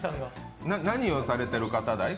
何をされてる方だい？